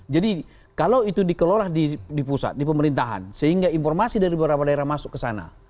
jadi kalau itu dikelola di pusat di pemerintahan sehingga informasi dari beberapa daerah masuk ke sana